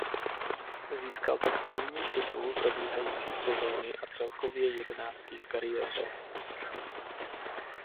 Získal tak první titul probíhající sezóny a celkově jedenáctý v kariéře.